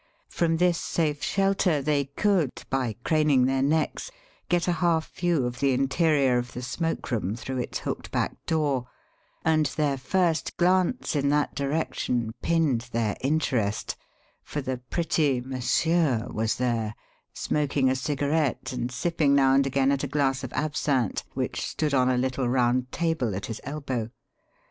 From this safe shelter they could, by craning their necks, get a half view of the interior of the smoke room through its hooked back door; and their first glance in that direction pinned their interest, for the pretty "Monsieur" was there, smoking a cigarette and sipping now and again at a glass of absinthe which stood on a little round table at his elbow.